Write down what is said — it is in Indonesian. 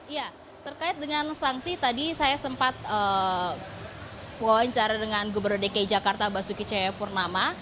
ya terkait dengan sanksi tadi saya sempat wawancara dengan gubernur dki jakarta basuki cahayapurnama